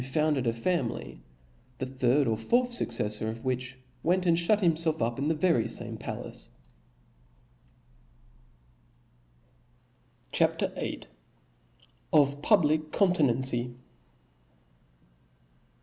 founded a family, the third or fourth fucceflbr of which went and (hut himfelf up in the very fame palace, CHAP. VIIL Of public Continency.